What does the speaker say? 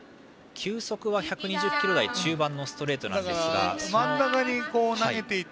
球速は１２０キロ台中盤のストレートなんですが。